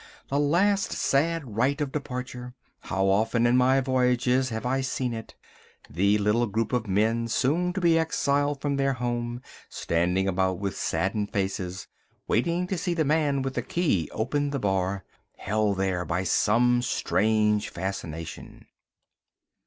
the last sad rite of departure. How often in my voyages have I seen it; the little group of men soon to be exiled from their home, standing about with saddened faces, waiting to see the man with the key open the bar—held there by some strange fascination.